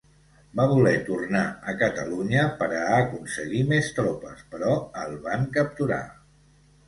Va voler tornar a Catalunya per a aconseguir més tropes, però el van capturar.